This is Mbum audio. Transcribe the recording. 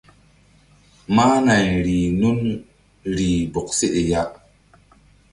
Mah nay rih nun rih bɔk seɗe ya.